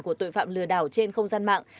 của tội phạm lừa đảo trên không gian mạng